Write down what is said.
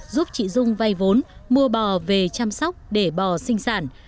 giúp chị dung vay vốn mua bò về chăm sóc để bò sinh sản